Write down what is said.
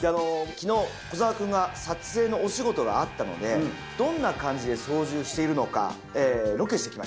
昨日小澤君が撮影のお仕事があったのでどんな感じで操縦しているのかロケしてきました。